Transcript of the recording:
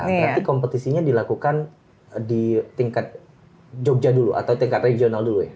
berarti kompetisinya dilakukan di tingkat jogja dulu atau tingkat regional dulu ya